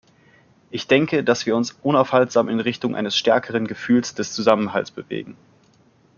Ich denke, dass wir uns unaufhaltsam in Richtung eines stärkeren Gefühls des Zusammenhalts bewegen.